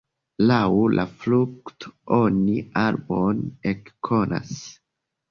Laŭ la frukto oni arbon ekkonas.